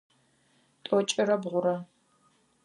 Тӏокӏырэ бгъурэ.